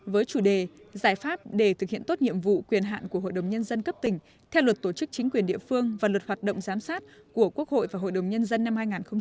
với chủ đề giải pháp để thực hiện tốt nhiệm vụ quyền hạn của hội đồng nhân dân cấp tỉnh theo luật tổ chức chính quyền địa phương và luật hoạt động giám sát của quốc hội và hội đồng nhân dân năm hai nghìn một mươi một